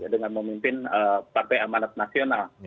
dengan memimpin partai amanat nasional